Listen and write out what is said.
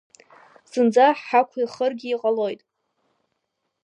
Зынӡа ҳақәихыргьы ҟалоит.